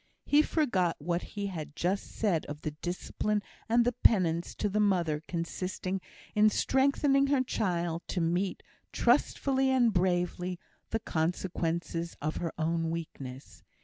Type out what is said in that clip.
He forgot what he had just said, of the discipline and penance to the mother consisting in strengthening her child to meet, trustfully and bravely, the consequences of her own weakness.